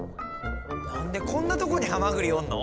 何でこんなとこにハマグリおんの？